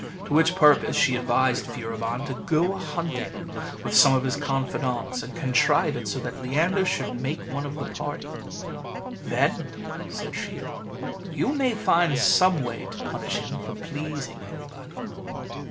To which purpose she advised Furibon to go a hunting with some of his confidants, and contrive it so that Leander should make one of the party. "Then," said she, "you may find some way to punish him for pleasing everybody."